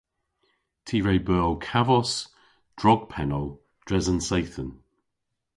Ty re beu ow kavos drog pennow dres an seythen.